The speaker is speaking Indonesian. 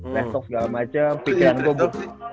trash talk segala macem pikiran gua